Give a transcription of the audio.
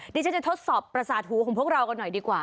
ดิฉันจะทดสอบประสาทหูของพวกเรากันหน่อยดีกว่า